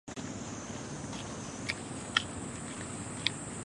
两家公司在合并后宣布接下来要在孟买设立分公司的计划。